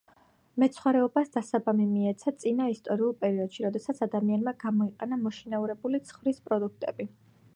მეცხვარეობას დასაბამი მიეცა წინა ისტორიულ პერიოდში, როდესაც ადამიანმა გამოიყენა მოშინაურებული ცხვრის პროდუქტები.